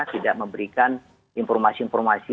tidak memberikan informasi informasi